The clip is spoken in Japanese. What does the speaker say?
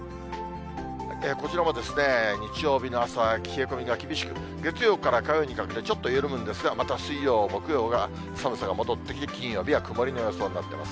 こちらも日曜日の朝は冷え込みが厳しく、月曜から火曜にかけてちょっと緩むんですが、また水曜、木曜が寒さが戻って、金曜日は曇りの予想になっています。